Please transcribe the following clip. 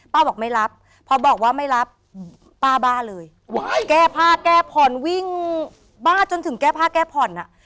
บอกไม่รับพอบอกว่าไม่รับป้าบ้าเลยแก้ผ้าแก้ผ่อนวิ่งบ้าจนถึงแก้ผ้าแก้ผ่อนอ่ะ